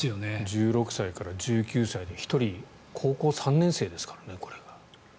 １６歳から１９歳で１人、高校３年生ですからね。